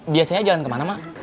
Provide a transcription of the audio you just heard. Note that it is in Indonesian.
biasanya jalan kemana ma